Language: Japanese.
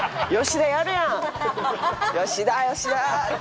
吉田吉田！